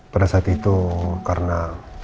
pada saat itu karena